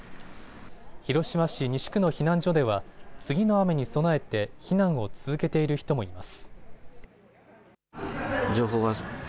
広島市西区の避難所では次の雨に備えて避難を続けている人もいます。